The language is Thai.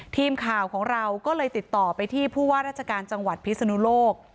ทีมข่าวของเราก็เลยติดต่อไปที่ผู้ว่าราชการจังหวัดพิศนุโลก